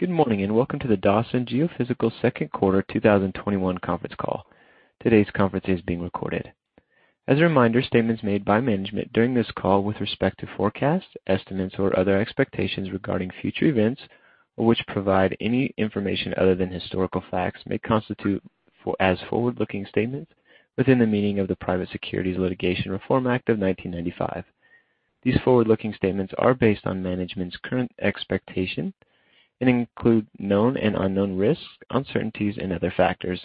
Good morning, and welcome to the Dawson Geophysical Second Quarter 2021 Conference call. Today's conference is being recorded. As a reminder, statements made by management during this call with respect to forecasts, estimates or other expectations regarding future events, or which provide any information other than historical facts, may constitute as forward-looking statements within the meaning of the Private Securities Litigation Reform Act of 1995. These forward-looking statements are based on management's current expectation and include known and unknown risks, uncertainties and other factors,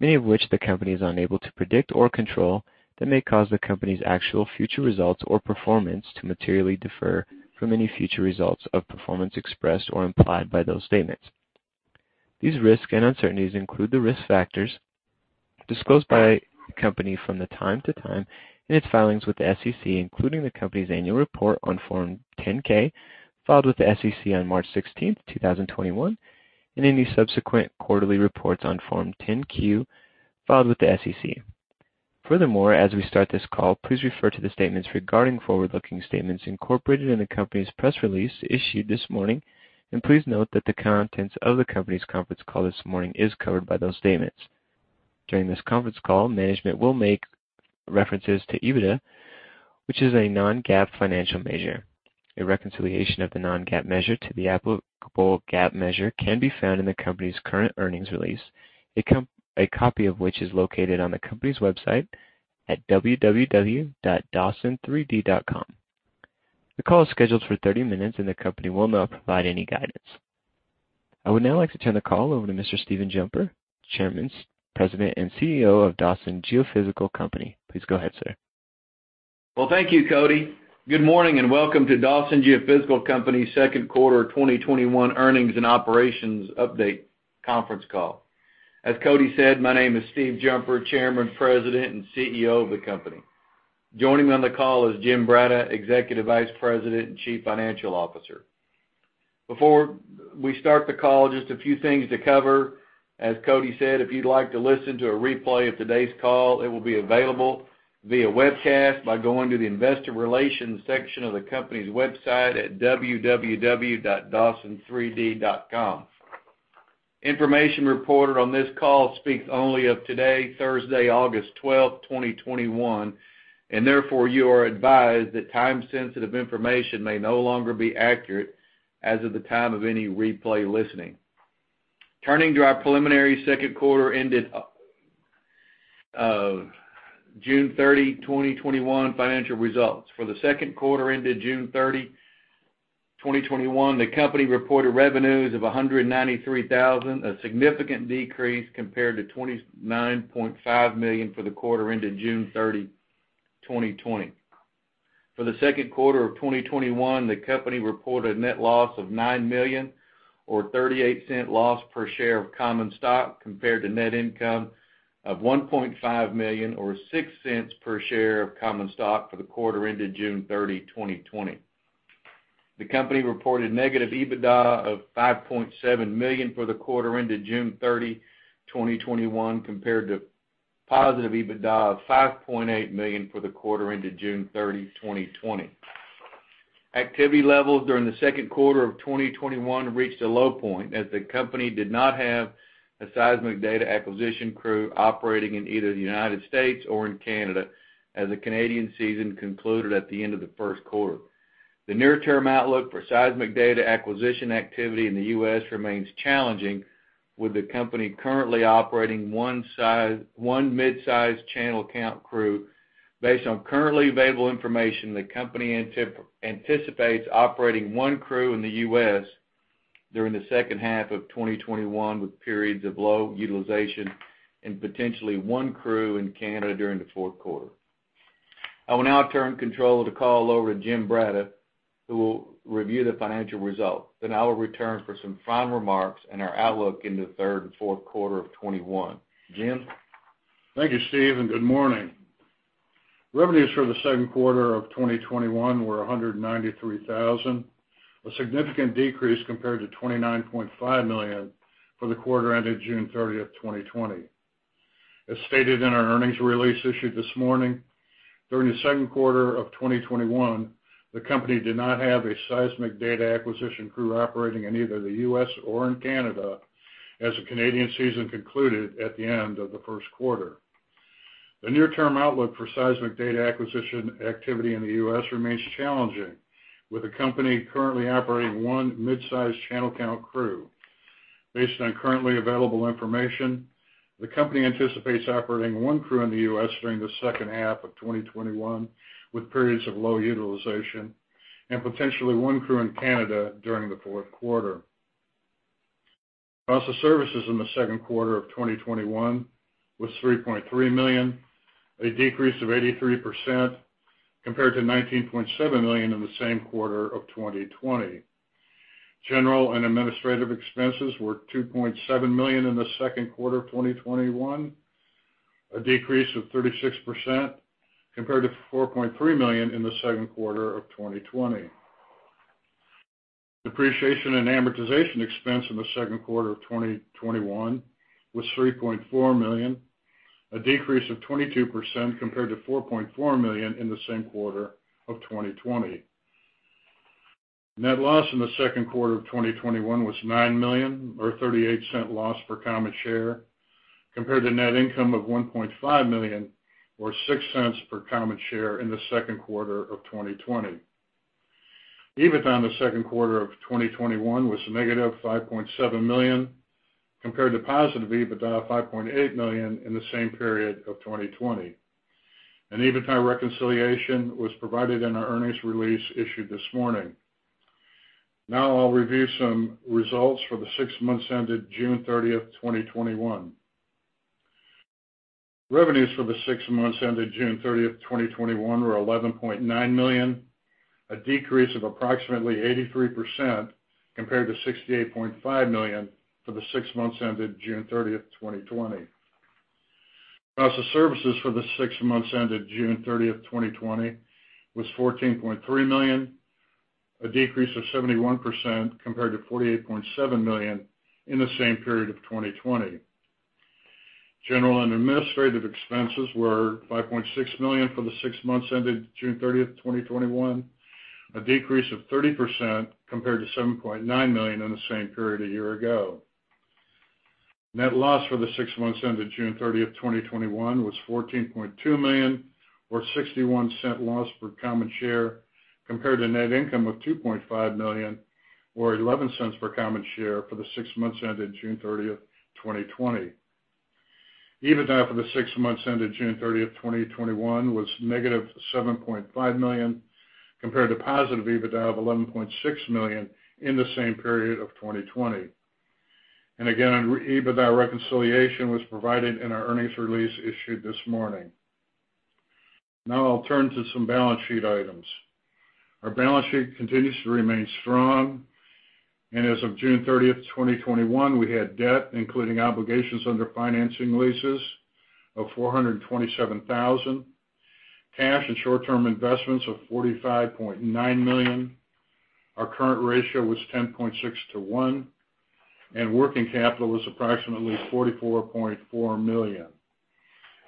many of which the company is unable to predict or control, that may cause the company's actual future results or performance to materially differ from any future results of performance expressed or implied by those statements. These risks and uncertainties include the risk factors disclosed by the company from time to time in its filings with the SEC, including the company's annual report on Form 10-K filed with the SEC on March 16th, 2021, and any subsequent quarterly reports on Form 10-Q filed with the SEC. As we start this call, please refer to the statements regarding forward-looking statements incorporated in the company's press release issued this morning, and please note that the contents of the company's conference call this morning is covered by those statements. During this conference call, management will make references to EBITDA, which is a non-GAAP financial measure. A reconciliation of the non-GAAP measure to the applicable GAAP measure can be found in the company's current earnings release, a copy of which is located on the company's website at www.dawson3d.com. The call is scheduled for 30 minutes. The company will not provide any guidance. I would now like to turn the call over to Mr. Stephen Jumper, Chairman, President, and CEO of Dawson Geophysical Company. Please go ahead, sir. Well, thank you, Cody. Good morning, and welcome to Dawson Geophysical Company's second quarter 2021 earnings and operations update conference call. As Cody said, my name is Steve Jumper, Chairman, President, and CEO of the company. Joining me on the call is Jim Brata, Executive Vice President and Chief Financial Officer. Before we start the call, just a few things to cover. As Cody said, if you'd like to listen to a replay of today's call, it will be available via webcast by going to the investor relations section of the company's website at www.dawson3d.com. Information reported on this call speaks only of today, Thursday, August 12, 2021, and therefore, you are advised that time-sensitive information may no longer be accurate as of the time of any replay listening. Turning to our preliminary second quarter ended June 30, 2021 financial results. For the second quarter ended June 30, 2021, the company reported revenues of $193,000, a significant decrease compared to $29.5 million for the quarter ended June 30, 2020. For the second quarter of 2021, the company reported net loss of $9 million or $0.38 loss per share of common stock, compared to net income of $1.5 million or $0.06 per share of common stock for the quarter ended June 30, 2020. The company reported negative EBITDA of $5.7 million for the quarter ended June 30, 2021, compared to positive EBITDA of $5.8 million for the quarter ended June 30, 2020. Activity levels during the second quarter of 2021 reached a low point as the company did not have a seismic data acquisition crew operating in either the United States or in Canada, as the Canadian season concluded at the end of the first quarter. The near-term outlook for seismic data acquisition activity in the U.S. remains challenging, with the company currently operating one sized, mid-sized channel count crew. Based on currently available information, the company anticipates operating one crew in the U.S. during the second half of 2021, with periods of low utilization and potentially one crew in Canada during the fourth quarter. I will now turn control of the call over to Jim Brata, who will review the financial results. I will return for some final remarks and our outlook in the third and fourth quarter of 2021. Jim? Thank you, Steve, and good morning. Revenues for the second quarter of 2021 were $193,000, a significant decrease compared to $29.5 million for the quarter ended June 30, 2020. As stated in our earnings release issued this morning, during the second quarter of 2021, the company did not have a seismic data acquisition crew operating in either the U.S. or in Canada, as the Canadian season concluded at the end of the first quarter. The near-term outlook for seismic data acquisition activity in the U.S. remains challenging, with the company currently operating one mid-size channel count crew. Based on currently available information, the company anticipates operating one crew in the U.S. during the second half of 2021, with periods of low utilization and potentially one crew in Canada during the fourth quarter. Cost of services in the second quarter of 2021 was $3.3 million, a decrease of 83% compared to $19.7 million in the same quarter of 2020. General and administrative expenses were $2.7 million in the second quarter of 2021, a decrease of 36% compared to $4.3 million in the second quarter of 2020. Depreciation and amortization expense in the second quarter of 2021 was $3.4 million. A decrease of 22% compared to $4.4 million in the same quarter of 2020. Net loss in the second quarter of 2021 was $9 million or $0.38 loss per common share, compared to net income of $1.5 million or $0.06 per common share in the second quarter of 2020. EBITDA in the second quarter of 2021 was negative $5.7 million, compared to positive EBITDA of $5.8 million in the same period of 2020. An EBITDA reconciliation was provided in our earnings release issued this morning. Now I'll review some results for the six months ended June 30, 2021. Revenues for the six months ended June 30, 2021 were $11.9 million, a decrease of approximately 83% compared to $68.5 million for the six months ended June 30, 2020. Cost of services for the six months ended June 30, 2020 was $14.3 million, a decrease of 71% compared to $48.7 million in the same period of 2020. General and administrative expenses were $5.6 million for the six months ended June 30, 2021, a decrease of 30% compared to $7.9 million in the same period a year ago. Net loss for the six months ended June 30th, 2021 was $14.2 million or $0.61 loss per common share compared to net income of $2.5 million or $0.11 per common share for the six months ended June 30th, 2020. EBITDA for the six months ended June 30th, 2021 was negative $7.5 million, compared to positive EBITDA of $11.6 million in the same period of 2020. Again, our EBITDA reconciliation was provided in our earnings release issued this morning. Now I'll turn to some balance sheet items. Our balance sheet continues to remain strong, and as of June 30th, 2021, we had debt, including obligations under financing leases of $427,000, cash and short-term investments of $45.9 million. Our current ratio was 10.6-1, and working capital was approximately $44.4 million.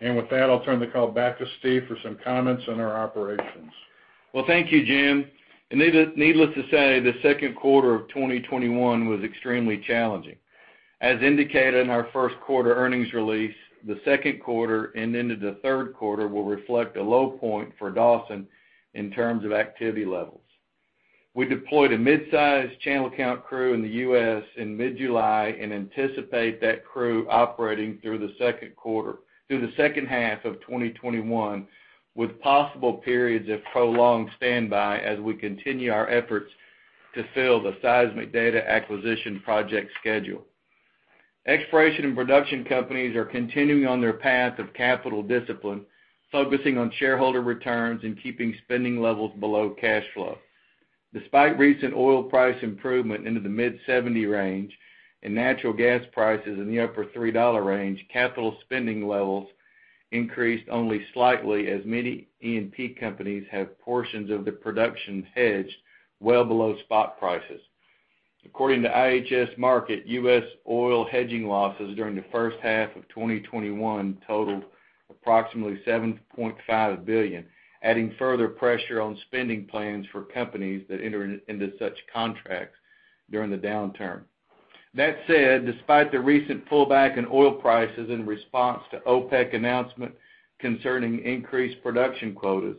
With that, I'll turn the call back to Steve for some comments on our operations. Well, thank you, Jim. Needless to say, the second quarter of 2021 was extremely challenging. As indicated in our first quarter earnings release, the second quarter and into the third quarter will reflect a low point for Dawson in terms of activity levels. We deployed a mid-size channel count crew in the U.S. in mid-July and anticipate that crew operating through the second half of 2021, with possible periods of prolonged standby as we continue our efforts to fill the seismic data acquisition project schedule. Exploration and production companies are continuing on their path of capital discipline, focusing on shareholder returns and keeping spending levels below cash flow. Despite recent oil price improvement into the mid-70 range and natural gas prices in the upper $3 range, capital spending levels increased only slightly as many E&P companies have portions of their production hedged well below spot prices. According to IHS Markit, U.S. oil hedging losses during the first half of 2021 totaled approximately $7.5 billion, adding further pressure on spending plans for companies that enter into such contracts during the downturn. That said, despite the recent pullback in oil prices in response to OPEC announcement concerning increased production quotas,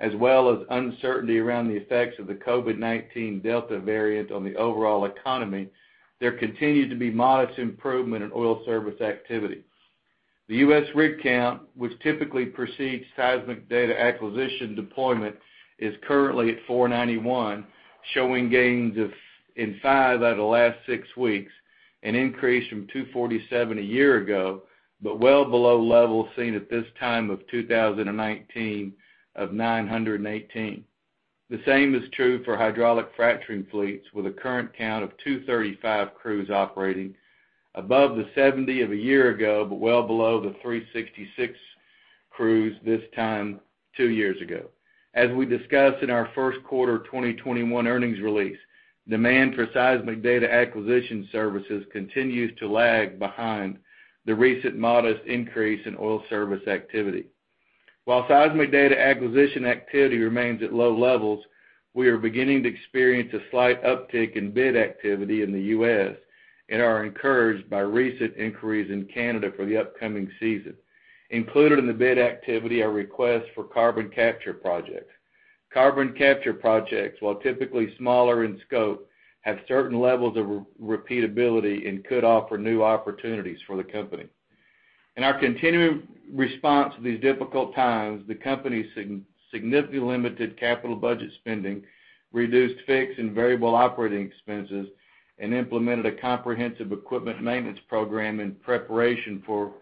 as well as uncertainty around the effects of the COVID-19 Delta variant on the overall economy, there continued to be modest improvement in oil service activity. The U.S. rig count, which typically precedes seismic data acquisition deployment, is currently at 491, showing gains in five out of the last six weeks, an increase from 247 a year ago, but well below levels seen at this time of 2019 of 918. The same is true for hydraulic fracturing fleets with a current count of 235 crews operating above the 70 of a year ago, but well below the 366 crews this time two years ago. As we discussed in our first quarter 2021 earnings release, demand for seismic data acquisition services continues to lag behind the recent modest increase in oil service activity. While seismic data acquisition activity remains at low levels, we are beginning to experience a slight uptick in bid activity in the U.S. and are encouraged by recent inquiries in Canada for the upcoming season. Included in the bid activity are requests for carbon capture projects. Carbon capture projects, while typically smaller in scope, have certain levels of repeatability and could offer new opportunities for the company. In our continuing response to these difficult times, the company significantly limited capital budget spending, reduced fixed and variable operating expenses, and implemented a comprehensive equipment maintenance program in preparation for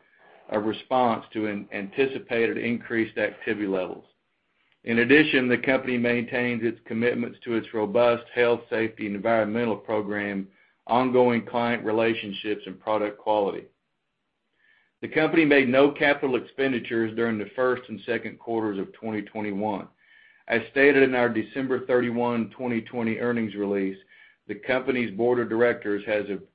a response to anticipated increased activity levels. In addition, the company maintains its commitments to its robust health, safety, and environmental program, ongoing client relationships, and product quality. The company made no capital expenditures during the first and second quarters of 2021. As stated in our December 31, 2020 earnings release, the company's board of directors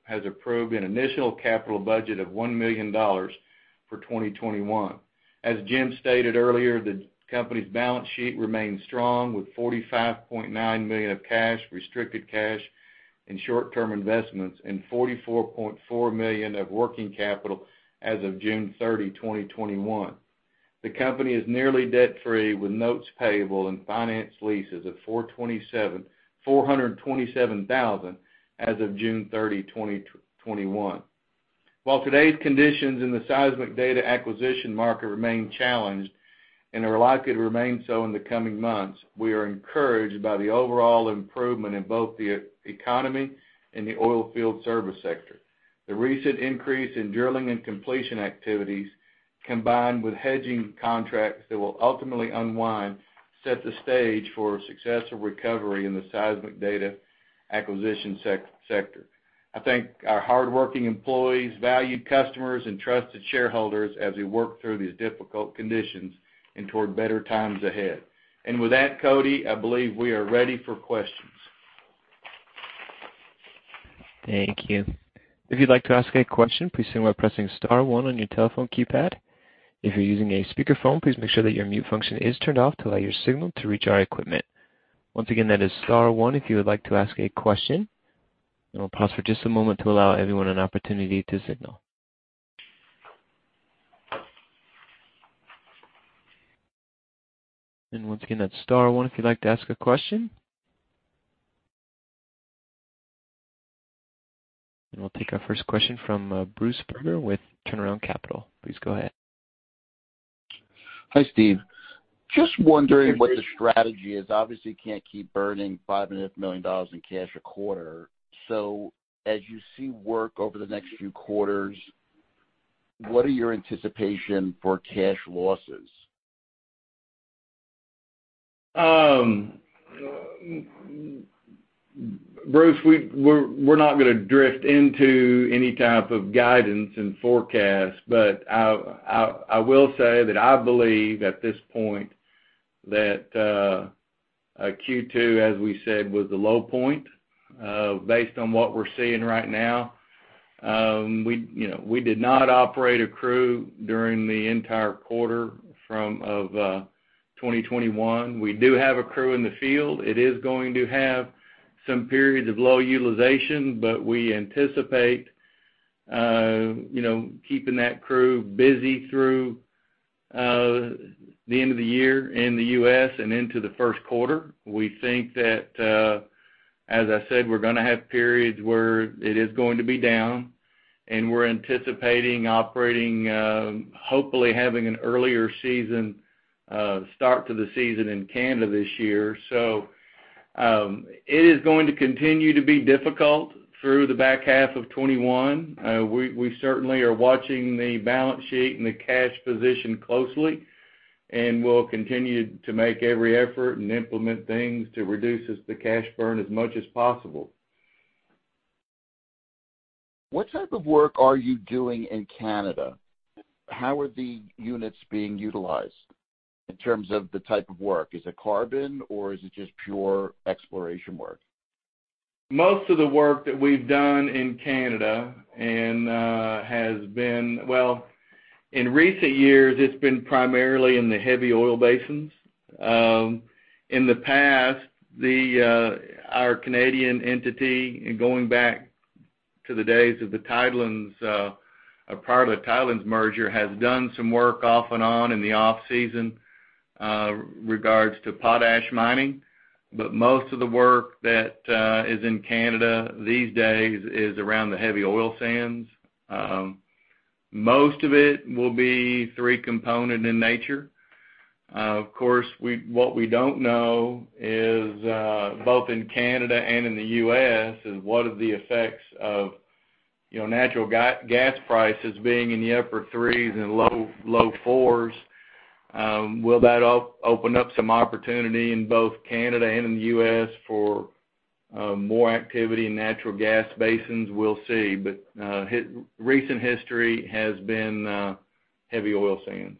has approved an initial capital budget of $1 million for 2021. As Jim stated earlier, the company's balance sheet remains strong with $45.9 million of cash, restricted cash, and short-term investments, and $44.4 million of working capital as of June 30, 2021. The company is nearly debt-free, with notes payable and finance leases of $427,000 as of June 30, 2021. While today's conditions in the seismic data acquisition market remain challenged and are likely to remain so in the coming months, we are encouraged by the overall improvement in both the economy and the oilfield service sector. The recent increase in drilling and completion activities, combined with hedging contracts that will ultimately unwind, set the stage for a successful recovery in the seismic data acquisition sector. I thank our hardworking employees, valued customers, and trusted shareholders as we work through these difficult conditions and toward better times ahead. With that, Cody, I believe we are ready for questions. Thank you. If you'd like to ask a question, please begin by pressing star one on your telephone keypad. If you're using a speakerphone, please make sure that your mute function is turned off to allow your signal to reach our equipment. Once again, that is star one if you would like to ask a question. We'll pause for just a moment to allow everyone an opportunity to signal. Once again, that's star one if you'd like to ask a question. We'll take our first question from Bruce Berger with Turnaround Capital. Please go ahead. Hi, Steve. Just wondering what the strategy is. Obviously, you can't keep burning $5.5 million in cash a quarter. As you see work over the next few quarters, what are your anticipation for cash losses? Bruce, we're not going to drift into any type of guidance and forecast, but I will say that I believe at this point that Q2, as we said, was the low point based on what we're seeing right now. We did not operate a crew during the entire quarter of 2021. We do have a crew in the field. It is going to have some periods of low utilization, but we anticipate keeping that crew busy through the end of the year in the U.S. and into the first quarter. We think that, as I said, we're going to have periods where it is going to be down, and we're anticipating operating, hopefully having an earlier start to the season in Canada this year. It is going to continue to be difficult through the back half of 2021. We certainly are watching the balance sheet and the cash position closely, and we'll continue to make every effort and implement things to reduce the cash burn as much as possible. What type of work are you doing in Canada? How are the units being utilized in terms of the type of work? Is it carbon, or is it just pure exploration work? Most of the work that we've done in Canada has been, well, in recent years, it's been primarily in the heavy oil basins. In the past, our Canadian entity, going back to the days of the Tidelands, or prior to the Tidelands merger, has done some work off and on in the off-season regards to potash mining. Most of the work that is in Canada these days is around the heavy oil sands. Most of it will be three-component in nature. Of course, what we don't know is, both in Canada and in the U.S., is what are the effects of natural gas prices being in the upper $3s and low $4s. Will that open up some opportunity in both Canada and in the U.S. for more activity in natural gas basins? We'll see. Recent history has been heavy oil sands.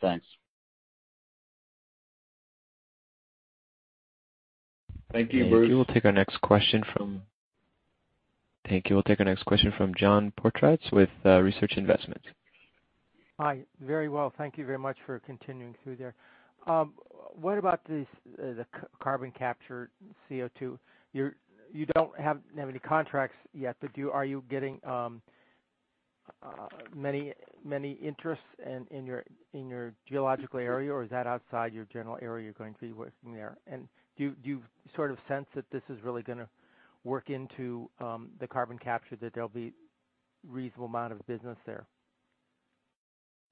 Thanks. Thank you, Bruce. Thank you. We'll take our next question from John Potratz with Researched Investments. Hi. Very well. Thank you very much for continuing through there. What about the carbon capture CO2? You don't have any contracts yet, but are you getting many interests in your geological area, or is that outside your general area you're going to be working there? Do you sort of sense that this is really going to work into the carbon capture, that there'll be reasonable amount of business there?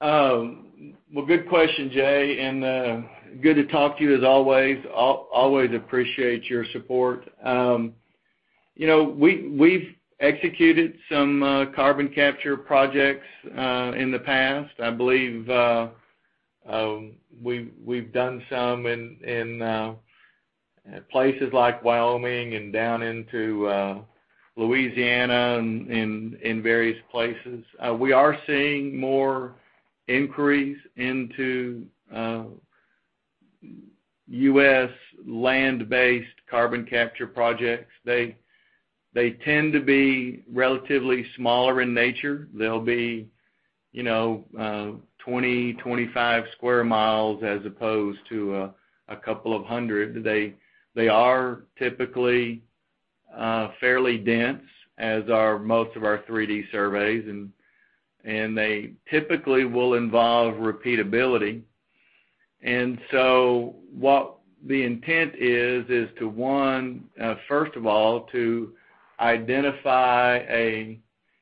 Good question, Jay, and good to talk to you as always. Always appreciate your support. We've executed some carbon capture projects in the past. I believe we've done some in places like Wyoming and down into Louisiana and in various places. We are seeing more inquiries into U.S. land-based carbon capture projects, they tend to be relatively smaller in nature. They'll be 20, 25 square miles as opposed to a couple of 100. They are typically fairly dense, as are most of our 3D surveys, and they typically will involve repeatability. What the intent is to, one, first of all, to identify.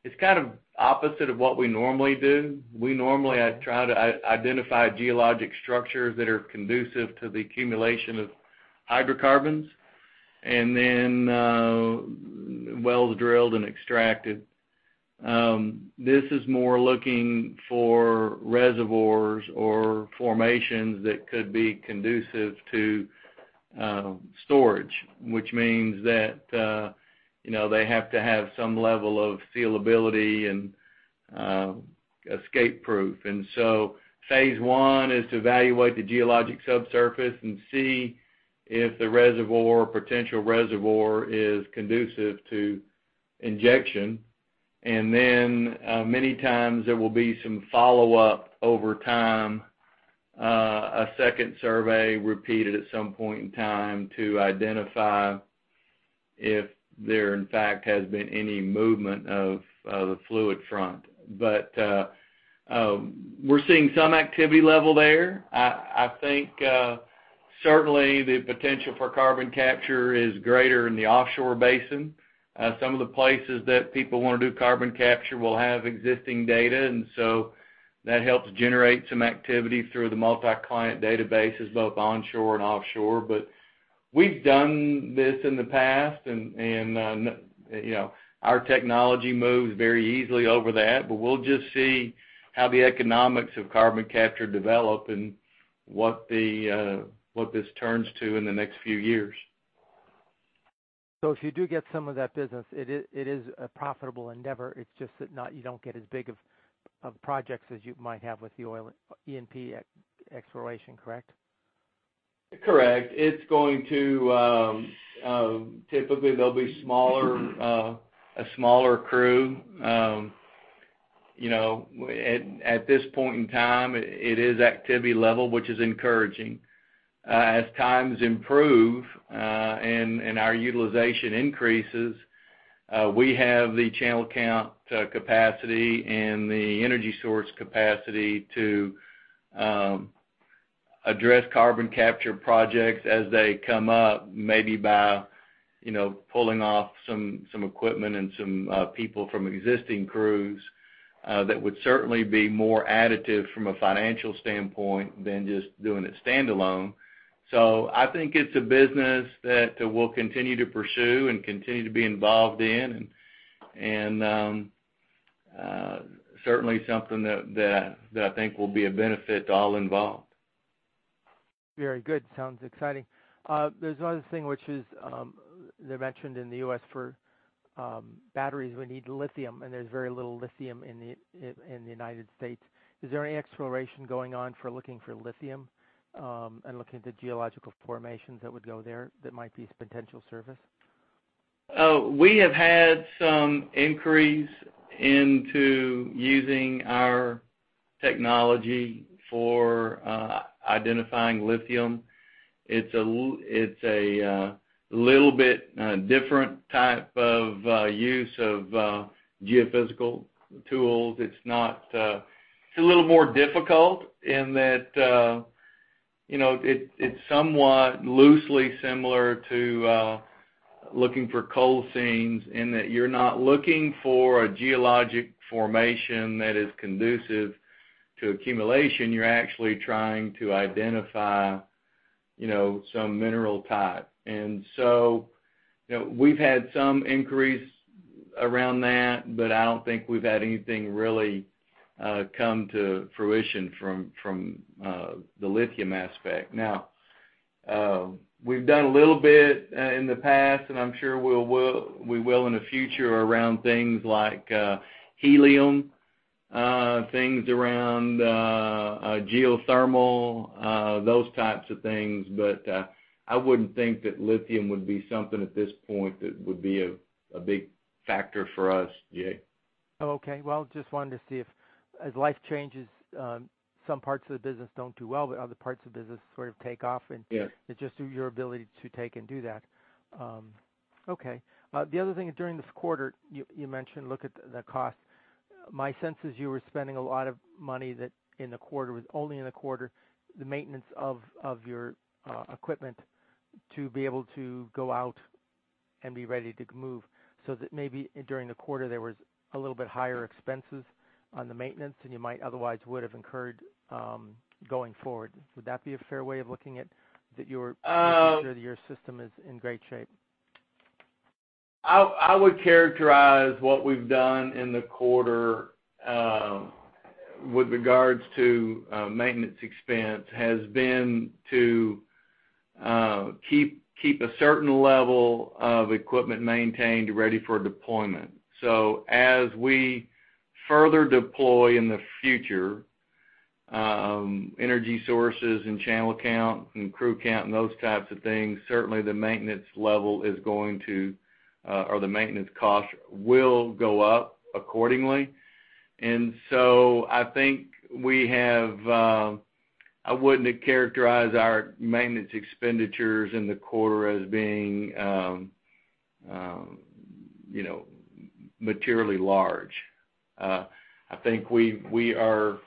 It's kind of opposite of what we normally do. We normally try to identify geologic structures that are conducive to the accumulation of hydrocarbons, and then wells drilled and extracted. This is more looking for reservoirs or formations that could be conducive to storage, which means that they have to have some level of sealability and escape-proof. Phase one is to evaluate the geologic subsurface and see if the potential reservoir is conducive to injection. Many times there will be some follow-up over time, a second survey repeated at some point in time to identify if there, in fact, has been any movement of the fluid front. We're seeing some activity level there. I think certainly the potential for carbon capture is greater in the offshore basin. Some of the places that people want to do carbon capture will have existing data, and so that helps generate some activity through the multi-client databases, both onshore and offshore. We've done this in the past, and our technology moves very easily over that. We'll just see how the economics of carbon capture develop and what this turns to in the next few years. If you do get some of that business, it is a profitable endeavor. It's just that you don't get as big of projects as you might have with the oil E&P exploration, correct? Correct. It's going to... Typically, they'll be a smaller crew. At this point in time, it is activity level, which is encouraging. As times improve and our utilization increases, we have the channel count capacity and the energy source capacity to address carbon capture projects as they come up, maybe by pulling off some equipment and some people from existing crews. That would certainly be more additive from a financial standpoint than just doing it standalone. I think it's a business that we'll continue to pursue and continue to be involved in, and certainly something that I think will be a benefit to all involved. Very good. Sounds exciting. There's one other thing which is mentioned in the U.S. for batteries, we need lithium, and there's very little lithium in the United States. Is there any exploration going on for looking for lithium, and looking at the geological formations that would go there that might be potential service? We have had some inquiries into using our technology for identifying lithium. It's a little bit different type of use of geophysical tools. It's a little more difficult in that it's somewhat loosely similar to looking for coal seams in that you're not looking for a geologic formation that is conducive to accumulation. You're actually trying to identify some mineral type. We've had some inquiries around that, but I don't think we've had anything really come to fruition from the lithium aspect. We've done a little bit in the past, and I'm sure we will in the future around things like helium, things around geothermal, those types of things. I wouldn't think that lithium would be something at this point that would be a big factor for us yet. Okay. Well, just wanted to see if as life changes, some parts of the business don't do well, but other parts of the business sort of take off. Yes. It's just your ability to take and do that. Okay. The other thing is during this quarter, you mentioned look at the cost. My sense is you were spending a lot of money that in the quarter, was only in the quarter, the maintenance of your equipment to be able to go out and be ready to move. Maybe during the quarter, there was a little bit higher expenses on the maintenance than you might otherwise would have incurred, going forward. Would that be a fair way of looking at, that you're making sure that your system is in great shape? I would characterize what we've done in the quarter, with regards to maintenance expense, has been to keep a certain level of equipment maintained, ready for deployment. As we further deploy in the future, energy sources and channel count and crew count and those types of things, certainly the maintenance cost will go up accordingly. I wouldn't characterize our maintenance expenditures in the quarter as being materially large. I think we are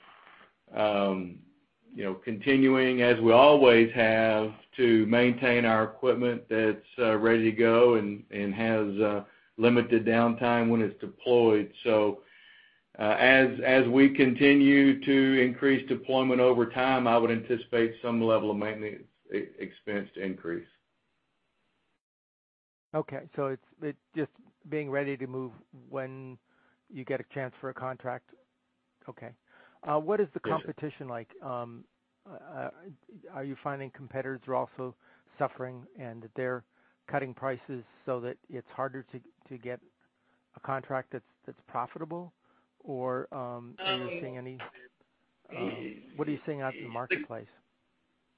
continuing, as we always have, to maintain our equipment that's ready to go and has limited downtime when it's deployed. As we continue to increase deployment over time, I would anticipate some level of maintenance expense to increase. Okay. It's just being ready to move when you get a chance for a contract? Okay. It is. What is the competition like? Are you finding competitors are also suffering, and that they're cutting prices so that it's harder to get a contract that's profitable? Or, what are you seeing out in the marketplace?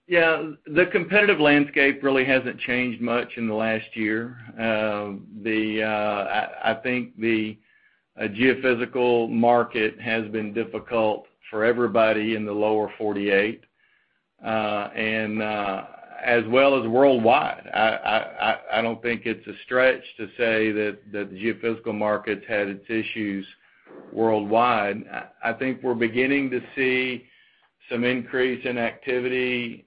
The competitive landscape really hasn't changed much in the last year. I think the geophysical market has been difficult for everybody in the Lower 48, and as well as worldwide. I don't think it's a stretch to say that the geophysical market's had its issues worldwide. I think we're beginning to see some increase in activity,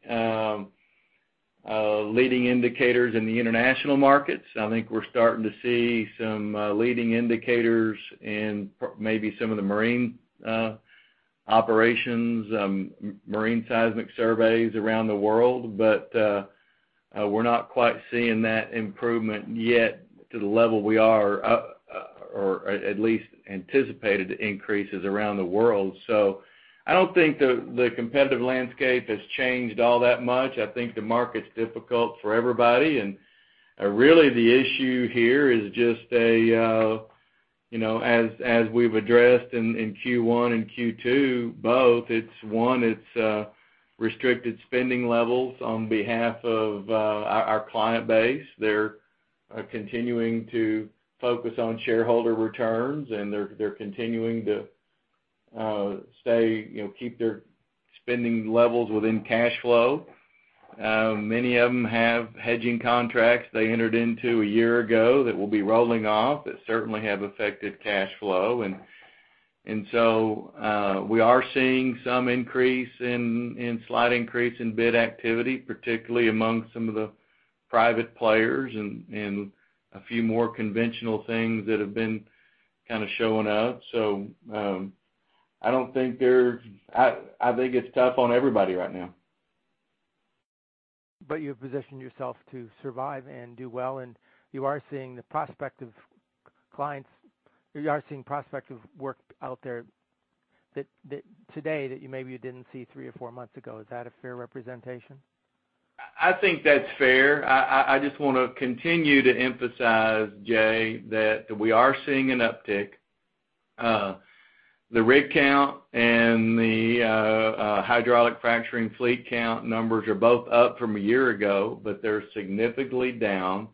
leading indicators in the international markets. I think we're starting to see some leading indicators in maybe some of the marine operations, marine seismic surveys around the world. We're not quite seeing that improvement yet to the level we are, or at least anticipated increases around the world. I don't think the competitive landscape has changed all that much. I think the market's difficult for everybody. Really the issue here is just, as we've addressed in Q1 and Q2, both, it's restricted spending levels on behalf of our client base. They're continuing to focus on shareholder returns. They're continuing to keep their spending levels within cash flow. Many of them have hedging contracts they entered into a year ago that will be rolling off that certainly have affected cash flow. We are seeing some increase, slight increase in bid activity, particularly amongst some of the private players and a few more conventional things that have been kind of showing up. I don't think there's... I think it's tough on everybody right now. You've positioned yourself to survive and do well, and you are seeing the prospect of clients, or you are seeing prospects of work out there that today, that you maybe didn't see three or four months ago. Is that a fair representation? I think that's fair. I just want to continue to emphasize, Jay, that we are seeing an uptick. The rig count and the hydraulic fracturing fleet count numbers are both up from a year ago, but they're significantly down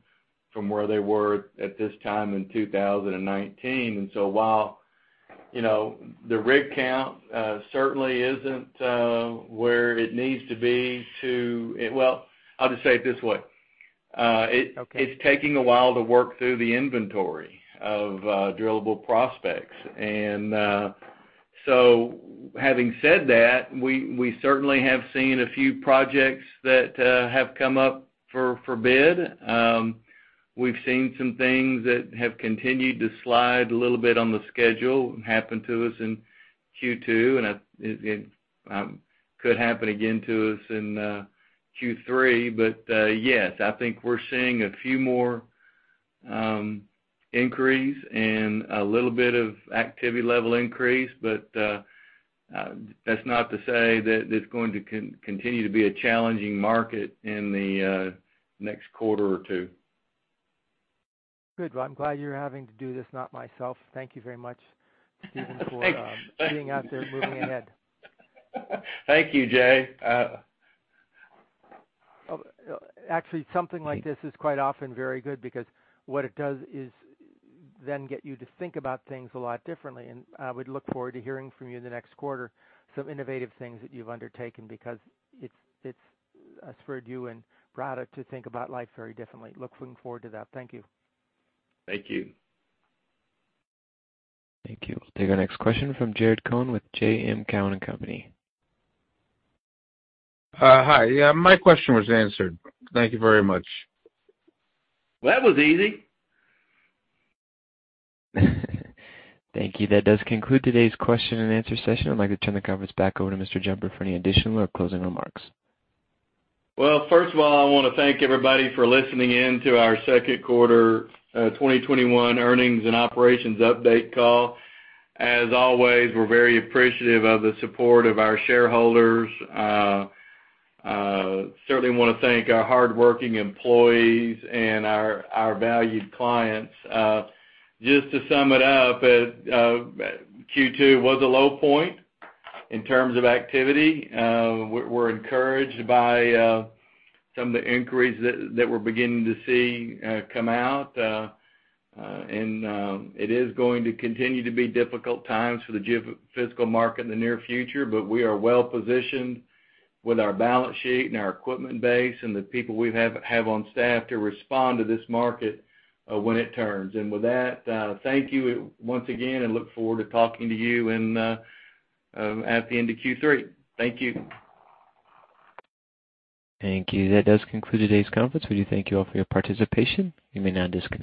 from where they were at this time in 2019. While the rig count certainly isn't where it needs to be to, well, I'll just say it this way. Okay. It's taking a while to work through the inventory of drillable prospects. Having said that, we certainly have seen a few projects that have come up for bid. We've seen some things that have continued to slide a little bit on the schedule, happened to us in Q2, and it could happen again to us in Q3. But yes, I think we're seeing a few more inquiries and a little bit of activity level increase. That's not to say that it's going to continue to be a challenging market in the next quarter or two. Good. Well, I'm glad you're having to do this, not myself. Thank you very much. Thank you. Steven, for being out there moving ahead. Thank you, Jay. Actually, something like this is quite often very good because what it does is then get you to think about things a lot differently. I would look forward to hearing from you in the next quarter some innovative things that you've undertaken because it's spurred you and Brata to think about life very differently. Looking forward to that. Thank you. Thank you. Thank you. We'll take our next question from Jarrod Cohen with J.M. Cohen and Company. Hi. Yeah, my question was answered. Thank you very much. Well, that was easy. Thank you. That does conclude today's question-and answer session. I'd like to turn the conference back over to Mr. Jumper for any additional or closing remarks. Well, first of all, I want to thank everybody for listening in to our second quarter 2021 earnings and operations update call. As always, we're very appreciative of the support of our shareholders. Certainly want to thank our hardworking employees and our valued clients. Just to sum it up, Q2 was a low point in terms of activity. We're encouraged by some of the inquiries that we're beginning to see come out. It is going to continue to be difficult times for the geophysical market in the near future, but we are well-positioned with our balance sheet and our equipment base and the people we have on staff to respond to this market when it turns. With that, thank you once again and look forward to talking to you at the end of Q3. Thank you. Thank you. That does conclude today's conference. We do thank you all for your participation. You may now disconnect.